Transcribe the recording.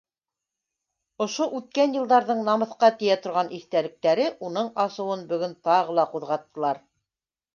Ошо үткән йылдарҙың намыҫҡа тейә торған иҫтәлектәре уның асыуын бөгөн тағы ла ҡуҙғаттылар.